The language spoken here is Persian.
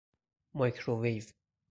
مایکروویو